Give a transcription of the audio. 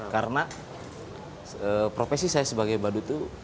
karena profesi saya sebagai badut tuh